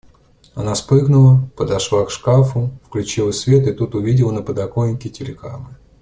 Она спрыгнула, подошла к шкафу, включила свет и тут увидела на подоконнике телеграммы.